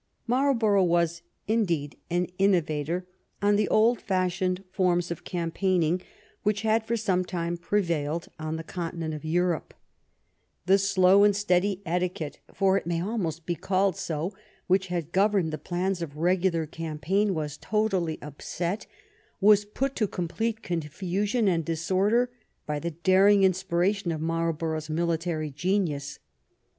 Marlborough was, indeed, an innovator on the old fashioned forms of campaigning which had for some time prevailed on the continent of Europe. The slow 102 "THE CAMPAIGN"— BLENHEIM • and steady etiquette — ^for it may almost be called so — which had governed the plans of regular campaign was totally upset^ was put to complete confusion and disorder by the daring inspiration of Marlborough's military genius.